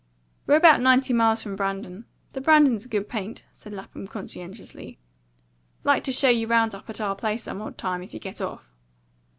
"We're about ninety miles from Brandon. The Brandon's a good paint," said Lapham conscientiously. "Like to show you round up at our place some odd time, if you get off."